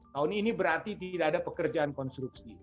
tahun ini berarti tidak ada pekerjaan konstruksi